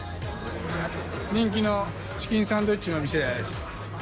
人気のチキンサンドイッチの店です。